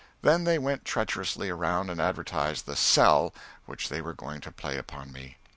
Then they went treacherously around and advertised the "sell" which they were going to play upon me.